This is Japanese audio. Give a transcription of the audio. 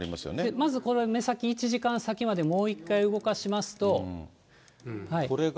まずこれ、目先１時間先までもう一回動かしますと。